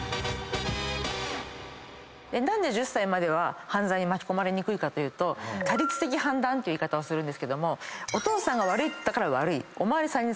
何で１０歳までは犯罪に巻き込まれにくいかというと他律的判断という言い方をするんですけどもお父さんが悪いと言ったから悪いお巡りさんに捕まるから嫌だ。